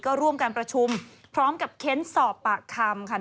ก็ร่วมการประชุมพร้อมกับเค้นสอบปากคำค่ะ